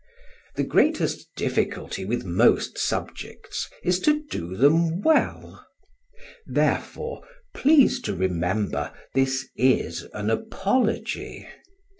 The greatest difficulty with most subjects is to do them well; therefore, please to remember this is an apology.